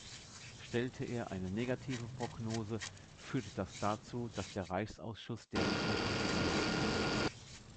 Stellte er eine negative Prognose, führte das dazu, dass der Reichsausschuss deren Tötung genehmigte.